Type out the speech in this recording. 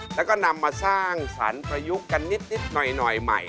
แล้วก็นำมาสร้างสรรค์ประยุกต์กันนิดหน่อยใหม่